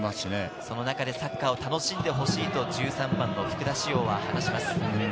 その中でサッカーを楽しんでほしいと１３番・福田師王は話します。